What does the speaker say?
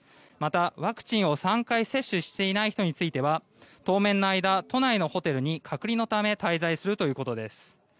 また、ワクチンを３回接種していない人については当面の間、都内のホテルに隔離のため滞在するということです。